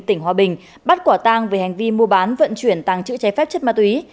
tỉnh hòa bình bắt quả tang về hành vi mua bán vận chuyển tàng chữ trái phép chất ma túy